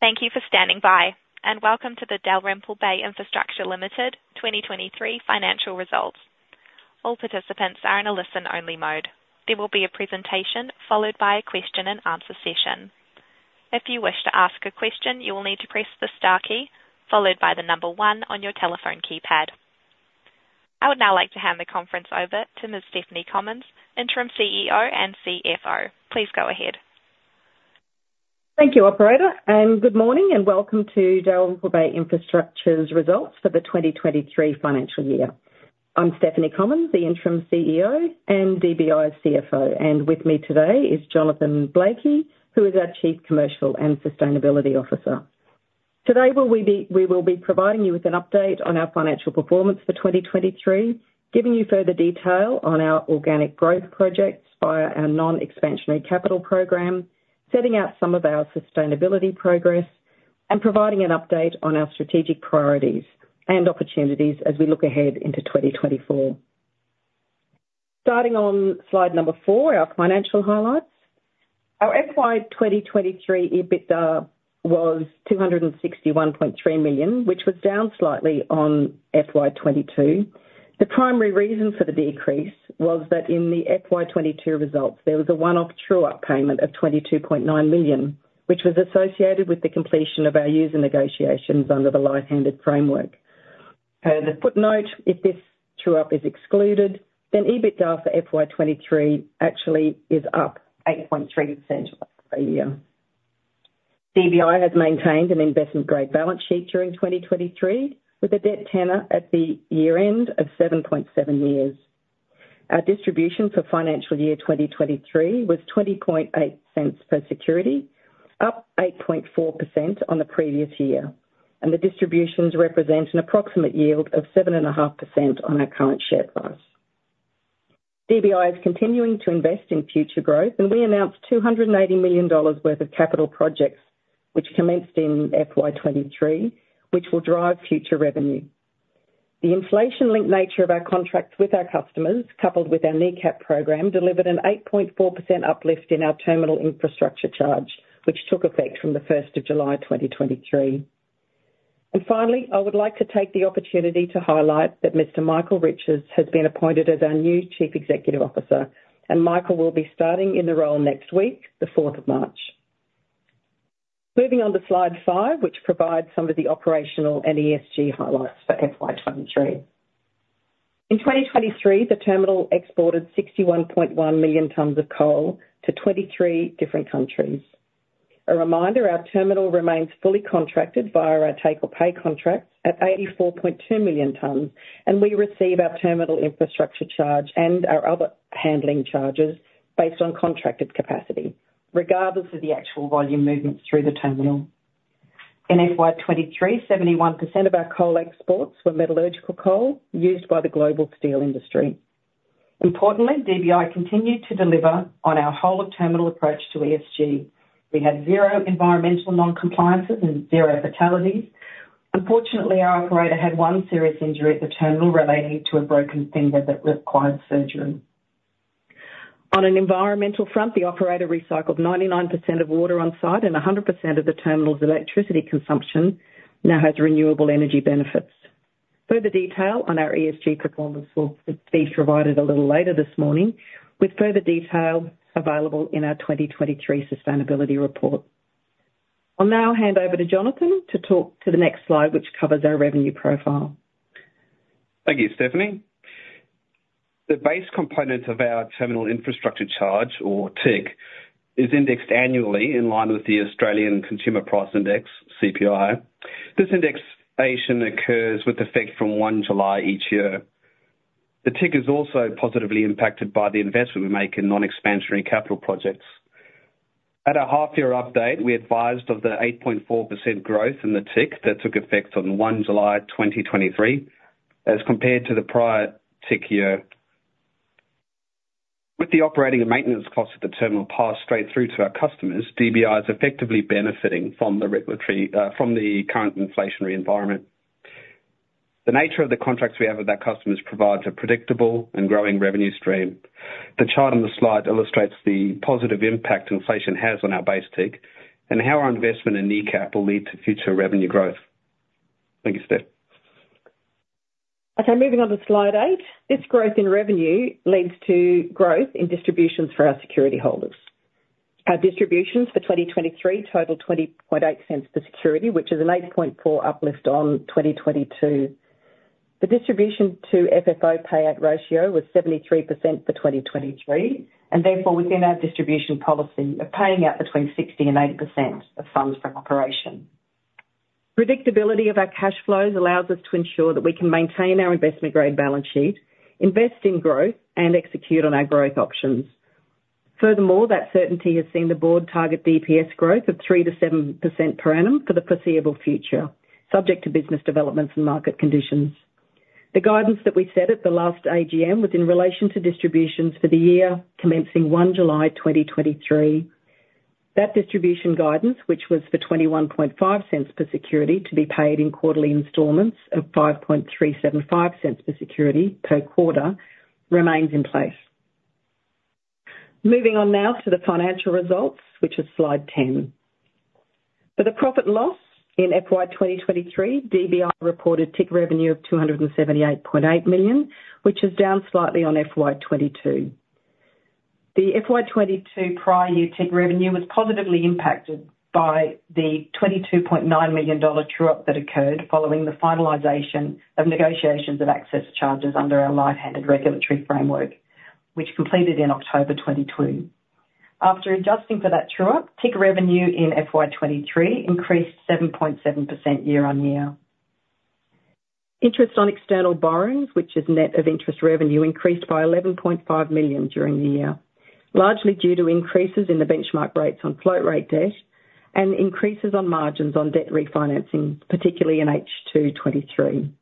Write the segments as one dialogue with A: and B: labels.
A: Thank you for standing by, and welcome to the Dalrymple Bay Infrastructure Limited 2023 financial results. All participants are in a listen-only mode. There will be a presentation, followed by a question and answer session. If you wish to ask a question, you will need to press the star key, followed by the number one on your telephone keypad. I would now like to hand the conference over to Ms. Stephanie Commons, Interim CEO and CFO. Please go ahead.
B: Thank you, operator, and good morning, and welcome to Dalrymple Bay Infrastructure's results for the 2023 financial year. I'm Stephanie Commons, the Interim CEO and DBI's CFO, and with me today is Jonathan Blakey, who is our Chief Commercial and Sustainability Officer. Today, we will be providing you with an update on our financial performance for 2023, giving you further detail on our organic growth projects via our non-expansionary capital program, setting out some of our sustainability progress, and providing an update on our strategic priorities and opportunities as we look ahead into 2024. Starting on slide four, our financial highlights. Our FY 2023 EBITDA was 261.3 million, which was down slightly on FY 2022. The primary reason for the decrease was that in the FY 2022 results, there was a one-off true-up payment of 22.9 million, which was associated with the completion of our user negotiations under the light-handed framework. Per the footnote, if this true-up is excluded, then EBITDA for FY 2023 actually is up 8.3% year-on-year. DBI has maintained an investment-grade balance sheet during 2023, with a debt tenor at the year-end of 7.7 years. Our distribution for financial year 2023 was 0.208 per security, up 8.4% on the previous year, and the distributions represent an approximate yield of 7.5% on our current share price. DBI is continuing to invest in future growth, and we announced 280 million dollars worth of capital projects, which commenced in FY 2023, which will drive future revenue. The inflation-linked nature of our contracts with our customers, coupled with our NECAP program, delivered an 8.4% uplift in our terminal infrastructure charge, which took effect from the first of July 2023. And finally, I would like to take the opportunity to highlight that Mr. Michael Riches has been appointed as our new Chief Executive Officer, and Michael will be starting in the role next week, the fourth of March. Moving on to slide five, which provides some of the operational and ESG highlights for FY 2023. In 2023, the terminal exported 61.1 million tons of coal to 23 different countries. A reminder, our terminal remains fully contracted via our take-or-pay contracts at 84.2 million tons, and we receive our terminal infrastructure charge and our other handling charges based on contracted capacity, regardless of the actual volume movements through the terminal. In FY 2023, 71% of our coal exports were metallurgical coal used by the global steel industry. Importantly, DBI continued to deliver on our whole-of-terminal approach to ESG. We had zero environmental non-compliances and zero fatalities. Unfortunately, our operator had one serious injury at the terminal related to a broken finger that required surgery. On an environmental front, the operator recycled 99% of water on-site, and 100% of the terminal's electricity consumption now has renewable energy benefits. Further detail on our ESG performance will be provided a little later this morning, with further detail available in our 2023 sustainability report. I'll now hand over to Jonathan to talk to the next slide, which covers our revenue profile.
C: Thank you, Stephanie. The base component of our terminal infrastructure charge, or TIC, is indexed annually in line with the Australian Consumer Price Index, CPI. This indexation occurs with effect from 1 July each year. The TIC is also positively impacted by the investment we make in non-expansionary capital projects. At our half-year update, we advised of the 8.4% growth in the TIC that took effect on 1 July 2023, as compared to the prior TIC year. With the operating and maintenance costs of the terminal passed straight through to our customers, DBI is effectively benefiting from the regulatory, from the current inflationary environment. The nature of the contracts we have with our customers provides a predictable and growing revenue stream. The chart on the slide illustrates the positive impact inflation has on our base TIC and how our investment in NECAP will lead to future revenue growth. Thank you, Steph.
B: Okay, moving on to slide eight. This growth in revenue leads to growth in distributions for our security holders. Our distributions for 2023 totaled 0.208 per security, which is an 8.4 uplift on 2022. The distribution to FFO payout ratio was 73% for 2023, and therefore, within our distribution policy of paying out between 60% and 80% of funds from operations. Predictability of our cash flows allows us to ensure that we can maintain our investment-grade balance sheet, invest in growth, and execute on our growth options. Furthermore, that certainty has seen the board target DPS growth of 3%-7% per annum for the foreseeable future, subject to business developments and market conditions. The guidance that we set at the last AGM was in relation to distributions for the year commencing 1 July 2023. That distribution guidance, which was for 0.215 per security to be paid in quarterly installments of 0.05375 per security per quarter, remains in place. Moving on now to the financial results, which is slide 10. For the profit and loss in FY 2023, DBI reported TIC revenue of 278.8 million, which is down slightly on FY 2022. The FY 2022 prior year TIC revenue was positively impacted by the 22.9 million dollar true-up that occurred following the finalization of negotiations of access charges under our light-handed regulatory framework, which completed in October 2022. After adjusting for that true-up, TIC revenue in FY 2023 increased 7.7% year-on-year. Interest on external borrowings, which is net of interest revenue, increased by 11.5 million during the year, largely due to increases in the benchmark rates on float rate debt and increases on margins on debt refinancing, particularly in H2 2023.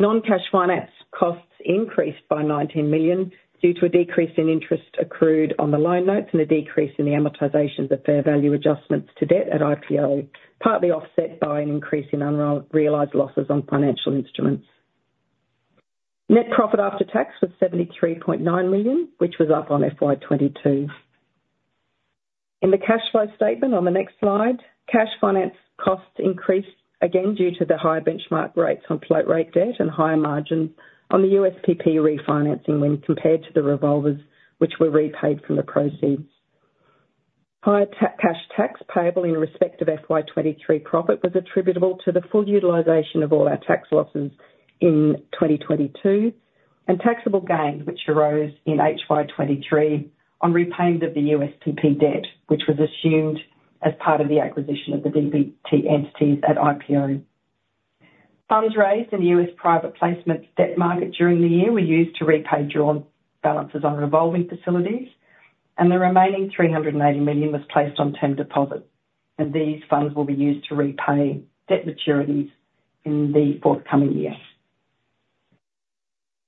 B: Non-cash finance costs increased by 19 million due to a decrease in interest accrued on the line notes and a decrease in the amortizations of fair value adjustments to debt at IPO, partly offset by an increase in unrealized losses on financial instruments. Net profit after tax was 73.9 million, which was up on FY 2022. In the cash flow statement on the next slide, cash finance costs increased again due to the higher benchmark rates on float rate debt and higher margins on the USPP refinancing when compared to the revolvers, which were repaid from the proceeds. Higher cash tax payable in respect of FY 2023 profit was attributable to the full utilization of all our tax losses in 2022, and taxable gains, which arose in FY 2023 on repayment of the USPP debt, which was assumed as part of the acquisition of the DBT entities at IPO. Funds raised in the US private placement debt market during the year were used to repay drawn balances on revolving facilities, and the remaining $380 million was placed on term deposits, and these funds will be used to repay debt maturities in the forthcoming year.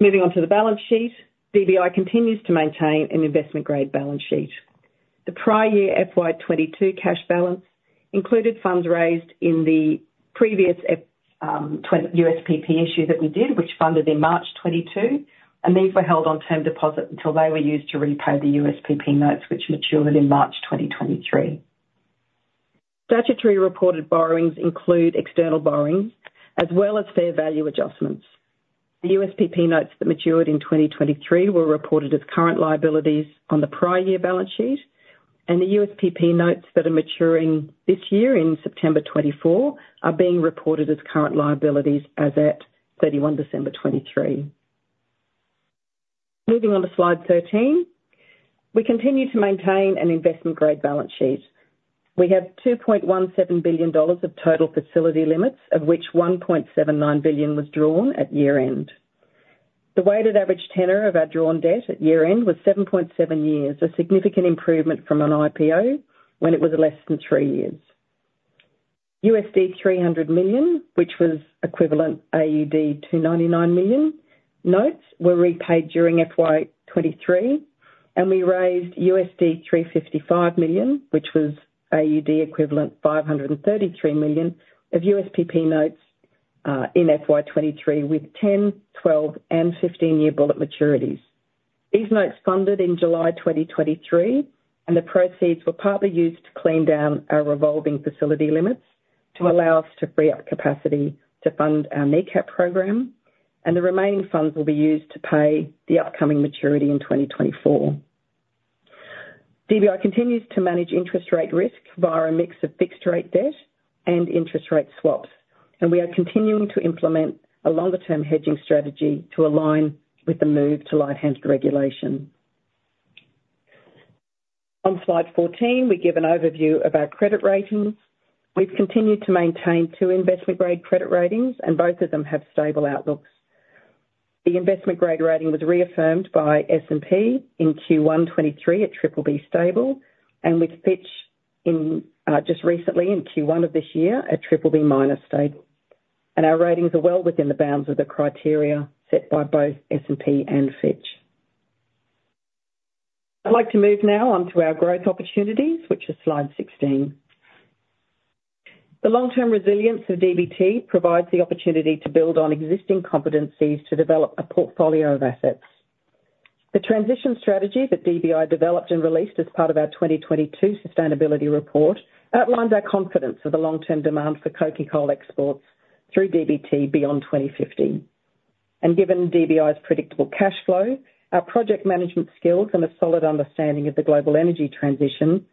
B: Moving on to the balance sheet. DBI continues to maintain an investment-grade balance sheet. The prior year, FY 2022 cash balance included funds raised in the previous USPP issue that we did, which funded in March 2022, and these were held on term deposit until they were used to repay the USPP notes, which matured in March 2023. Statutory reported borrowings include external borrowings as well as fair value adjustments. The USPP notes that matured in 2023 were reported as current liabilities on the prior year balance sheet, and the USPP notes that are maturing this year in September 2024 are being reported as current liabilities as at 31 December 2023. Moving on to slide 13. We continue to maintain an investment-grade balance sheet. We have $2.17 billion of total facility limits, of which $1.79 billion was drawn at year-end. The weighted average tenor of our drawn debt at year-end was 7.7 years, a significant improvement from an IPO when it was less than 3 years. $300 million, which was equivalent AUD 299 million, notes were repaid during FY 2023, and we raised $355 million, which was AUD equivalent 533 million of USPP notes, in FY 2023, with 10-, 12-, and 15-year bullet maturities. These notes funded in July 2023, and the proceeds were partly used to clean down our revolving facility limits to allow us to free up capacity to fund our NECAP program, and the remaining funds will be used to pay the upcoming maturity in 2024. DBI continues to manage interest rate risk via a mix of fixed rate debt and interest rate swaps, and we are continuing to implement a longer-term hedging strategy to align with the move to Light-Handed Regulation. On slide 14, we give an overview of our credit ratings. We've continued to maintain two investment-grade credit ratings, and both of them have stable outlooks. The investment grade rating was reaffirmed by S&P in Q1 2023 at BBB stable, and with Fitch in just recently in Q1 of this year, at BBB minus stable. Our ratings are well within the bounds of the criteria set by both S&P and Fitch. I'd like to move now on to our growth opportunities, which is slide 16. The long-term resilience of DBT provides the opportunity to build on existing competencies to develop a portfolio of assets. The transition strategy that DBI developed and released as part of our 2022 sustainability report outlines our confidence of the long-term demand for coking coal exports through DBT beyond 2050. Given DBI's predictable cash flow, our project management skills, and a solid understanding of the global energy transition,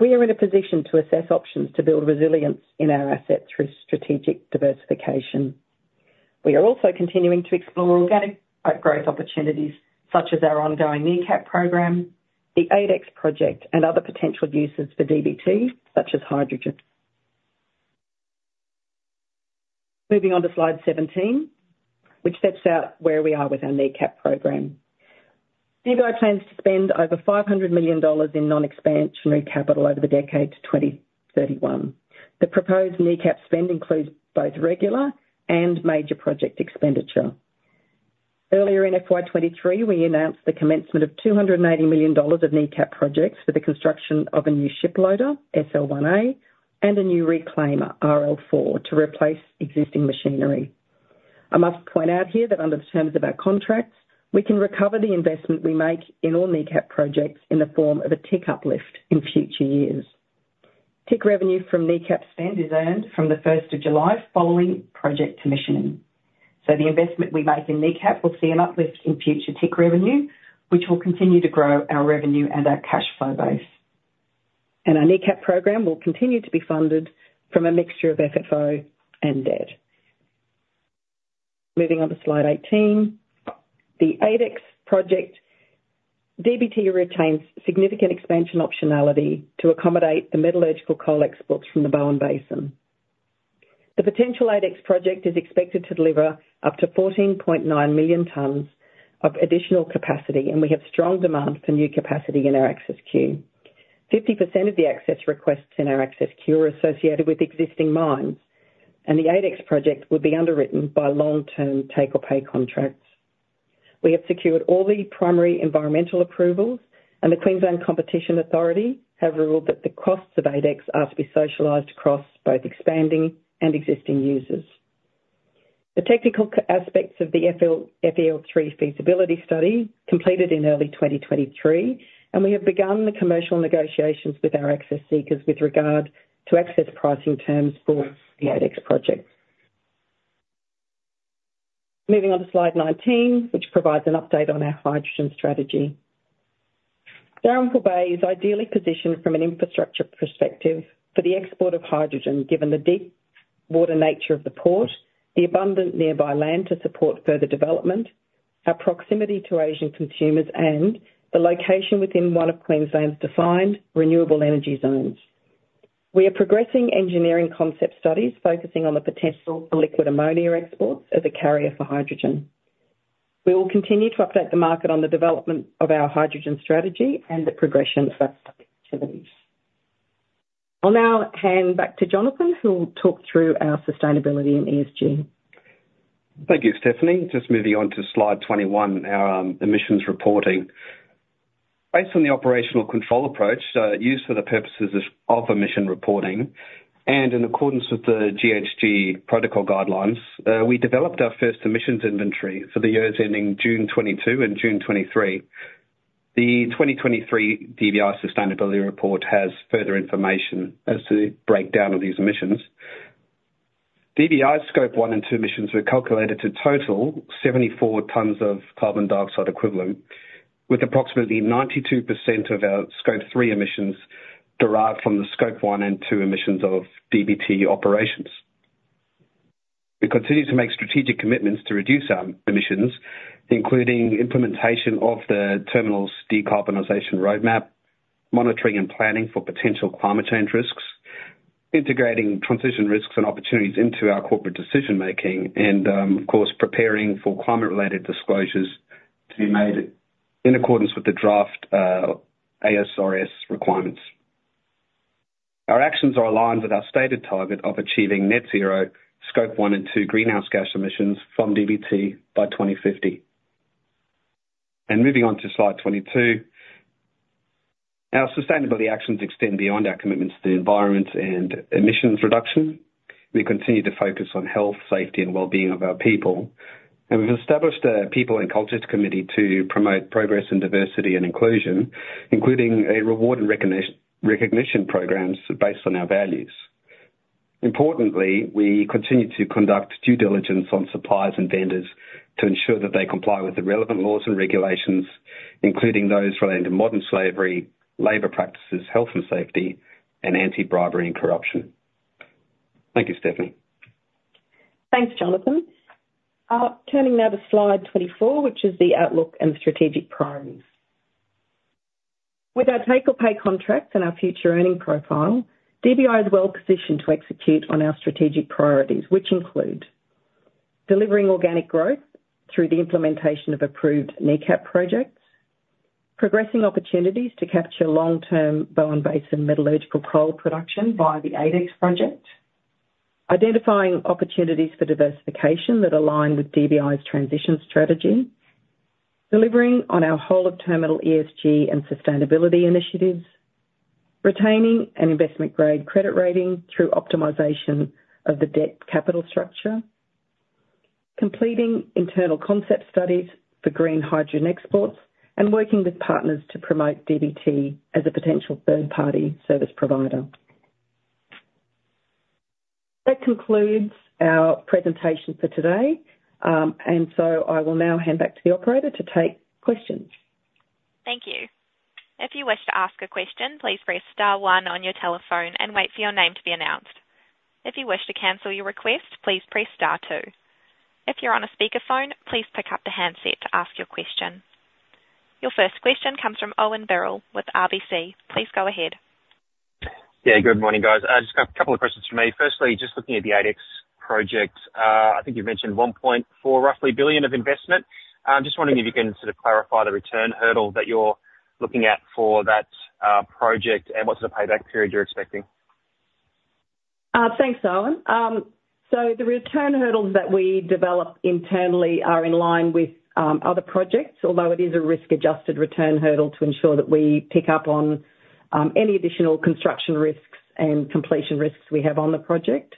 B: we are in a position to assess options to build resilience in our asset through strategic diversification. We are also continuing to explore organic growth opportunities, such as our ongoing NECAP program, the 8X Expansion Project, and other potential uses for DBT, such as hydrogen. Moving on to slide 17, which sets out where we are with our NECAP program. DBI plans to spend over 500 million dollars in non-expansionary capital over the decade to 2031. The proposed NECAP spend includes both regular and major project expenditure. Earlier in FY 2023, we announced the commencement of 280 million dollars of NECAP projects for the construction of a new ship loader, SL-1A, and a new reclaimer, RL-4, to replace existing machinery. I must point out here that under the terms of our contracts, we can recover the investment we make in all NECAP projects in the form of a TIC uplift in future years. TIC revenue from NECAP spend is earned from the first of July following project commissioning. So the investment we make in NECAP will see an uplift in future TIC revenue, which will continue to grow our revenue and our cash flow base. And our NECAP program will continue to be funded from a mixture of FFO and debt. Moving on to slide 18, the 8X project, DBT retains significant expansion optionality to accommodate the metallurgical coal exports from the Bowen Basin. The potential 8X project is expected to deliver up to 14.9 million tons of additional capacity, and we have strong demand for new capacity in our access queue. 50% of the access requests in our access queue are associated with existing mines, and the 8X project will be underwritten by long-term take-or-pay contracts. We have secured all the primary environmental approvals, and the Queensland Competition Authority have ruled that the costs of 8X are to be socialized across both expanding and existing users. The technical aspects of the FEL3 feasibility study completed in early 2023, and we have begun the commercial negotiations with our access seekers with regard to access pricing terms for the 8X project. Moving on to slide 19, which provides an update on our hydrogen strategy. Dalrymple Bay is ideally positioned from an infrastructure perspective for the export of hydrogen, given the deep water nature of the port, the abundant nearby land to support further development, our proximity to Asian consumers, and the location within one of Queensland's defined renewable energy zones. We are progressing engineering concept studies focusing on the potential for liquid ammonia exports as a carrier for hydrogen. We will continue to update the market on the development of our hydrogen strategy and the progression of those activities. I'll now hand back to Jonathan, who will talk through our sustainability and ESG.
C: Thank you, Stephanie. Just moving on to slide 21, our emissions reporting. Based on the operational control approach used for the purposes of emission reporting and in accordance with the GHG protocol guidelines, we developed our first emissions inventory for the years ending June 2022 and June 2023. The 2023 DBI sustainability report has further information as to the breakdown of these emissions. DBI scope one and two emissions were calculated to total 74 tons of carbon dioxide equivalent, with approximately 92% of our scope three emissions derived from the scope one and two emissions of DBT operations. We continue to make strategic commitments to reduce our emissions, including implementation of the terminal's decarbonization roadmap, monitoring and planning for potential climate change risks, integrating transition risks and opportunities into our corporate decision making, and, of course, preparing for climate-related disclosures to be made in accordance with the draft ASRS requirements. Our actions are aligned with our stated target of achieving net zero Scope 1 and 2 greenhouse gas emissions from DBT by 2050. And moving on to slide 22, our sustainability actions extend beyond our commitments to the environment and emissions reduction. We continue to focus on health, safety, and wellbeing of our people, and we've established a People and Cultures committee to promote progress in diversity and inclusion, including a reward and recognition programs based on our values. Importantly, we continue to conduct due diligence on suppliers and vendors to ensure that they comply with the relevant laws and regulations, including those relating to modern slavery, labor practices, health and safety, and anti-bribery and corruption. Thank you, Stephanie.
B: Thanks, Jonathan. Turning now to slide 24, which is the outlook and strategic priorities. With our take-or-pay contracts and our future earning profile, DBI is well positioned to execute on our strategic priorities, which include: delivering organic growth through the implementation of approved NECAP projects, progressing opportunities to capture long-term Bowen Basin metallurgical coal production by the 8X project, identifying opportunities for diversification that align with DBI's transition strategy, delivering on our whole-of-terminal ESG and sustainability initiatives, retaining an investment-grade credit rating through optimization of the debt capital structure, completing internal concept studies for green hydrogen exports, and working with partners to promote DBT as a potential third-party service provider. That concludes our presentation for today. And so I will now hand back to the operator to take questions.
A: Thank you. If you wish to ask a question, please press star one on your telephone and wait for your name to be announced. If you wish to cancel your request, please press star two. If you're on a speakerphone, please pick up the handset to ask your question. Your first question comes from Owen Birrell with RBC. Please go ahead.
D: Yeah, good morning, guys. I've just got a couple of questions from me. Firstly, just looking at the 8X project, I think you mentioned roughly 1.4 billion of investment. Just wondering if you can sort of clarify the return hurdle that you're looking at for that project, and what's the payback period you're expecting?
B: Thanks, Owen. So the return hurdles that we develop internally are in line with other projects, although it is a risk-adjusted return hurdle to ensure that we pick up on any additional construction risks and completion risks we have on the project.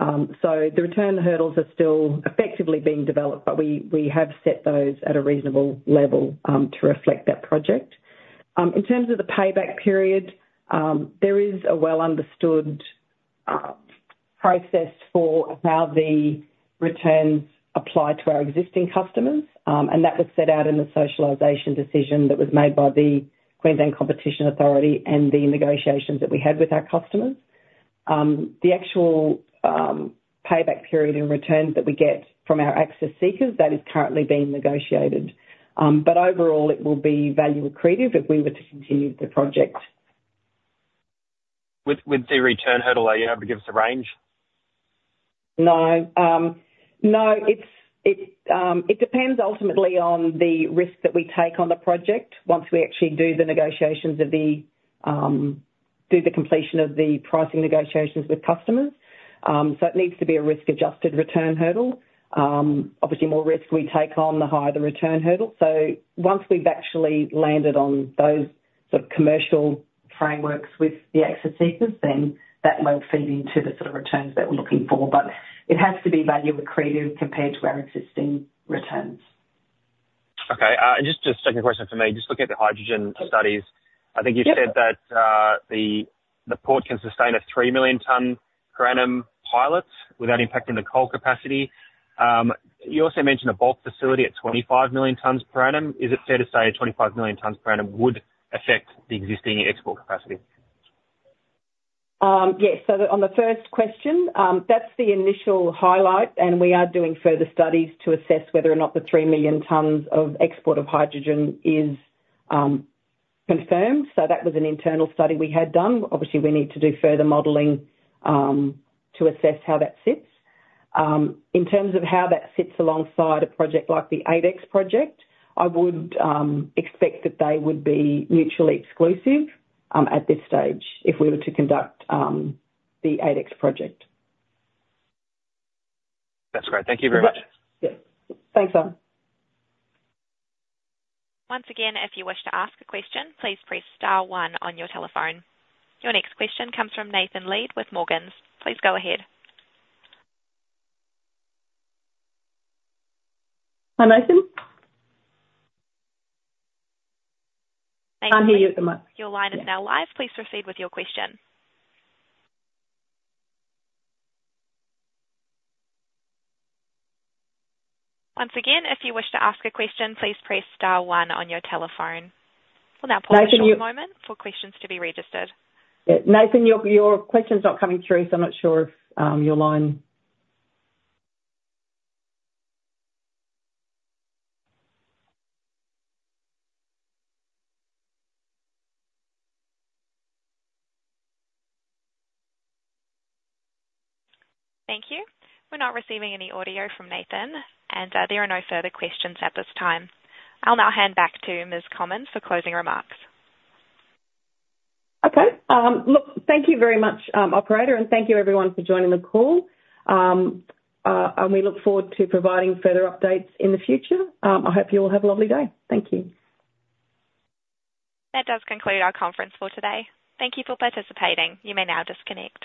B: So the return hurdles are still effectively being developed, but we, we have set those at a reasonable level to reflect that project. In terms of the payback period, there is a well-understood process for how the returns apply to our existing customers, and that was set out in the socialization decision that was made by the Queensland Competition Authority and the negotiations that we had with our customers. The actual payback period in returns that we get from our access seekers, that is currently being negotiated. Overall, it will be value accretive if we were to continue the project.
D: With the return hurdle, are you able to give us a range?
B: No. No, it's, it depends ultimately on the risk that we take on the project once we actually do the completion of the pricing negotiations with customers. So it needs to be a risk-adjusted return hurdle. Obviously, more risk we take on, the higher the return hurdle. So once we've actually landed on those sort of commercial frameworks with the access seekers, then that will feed into the sort of returns that we're looking for, but it has to be value accretive compared to our existing returns.
D: Okay, and just a second question for me. Just looking at the hydrogen studies-
B: Yep.
D: I think you've said that the port can sustain a 3 million ton per annum pilot without impacting the coal capacity. You also mentioned a bulk facility at 25 million tons per annum. Is it fair to say 25 million tons per annum would affect the existing export capacity?
B: Yes. So on the first question, that's the initial highlight, and we are doing further studies to assess whether or not the 3 million tons of export of hydrogen is confirmed. So that was an internal study we had done. Obviously, we need to do further modeling to assess how that sits. In terms of how that sits alongside a project like the 8X project, I would expect that they would be mutually exclusive at this stage if we were to conduct the 8X project.
D: That's great. Thank you very much.
B: Yeah. Thanks, Owen.
A: Once again, if you wish to ask a question, please press star one on your telephone. Your next question comes from Nathan Lead with Morgans. Please go ahead.
B: Hi, Nathan. I hear you at the moment.
A: Your line is now live. Please proceed with your question. Once again, if you wish to ask a question, please press star one on your telephone. We'll now pause-
B: Nathan, your-
A: A short moment for questions to be registered.
B: Yeah. Nathan, your, your question's not coming through, so I'm not sure if, your line.
A: Thank you. We're not receiving any audio from Nathan, and, there are no further questions at this time. I'll now hand back to Ms. Commons for closing remarks.
B: Okay. Look, thank you very much, operator, and thank you everyone for joining the call. We look forward to providing further updates in the future. I hope you all have a lovely day. Thank you.
A: That does conclude our conference for today. Thank you for participating. You may now disconnect.